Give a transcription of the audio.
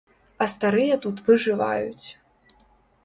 А старыя тут выжываюць.